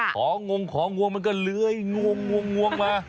หองงของงงมันก็เลื้อยงงงงงงงงงมา